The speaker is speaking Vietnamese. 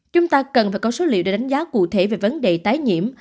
chúng ta cần phải có số liệu để đánh giá cụ thể về vấn đề tái nhiễm